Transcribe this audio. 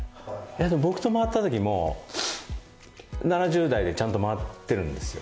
僕と回った時も７０台でちゃんと回ってるんですよ